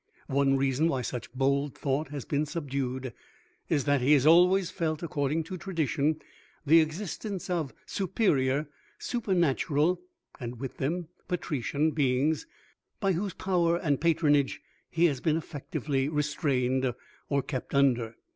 One reason why such bold thought has been subdued is that he has always felt according to tradition, the existence of superior supernatural (and with them patrician) beings, by whose power and patronage he has been effectively restrained or kept under.